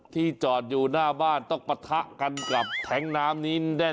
ที่จอดอยู่หน้าบ้านต้องปะทะกันกับแท้งน้ำนี้แน่น